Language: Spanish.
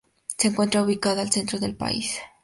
Se encuentra ubicada al centro del país.